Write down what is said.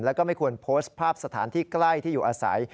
แล้วก็ไม่ควรโพสต์ภาพสถานที่ใกล้ที่อยู่อาศัย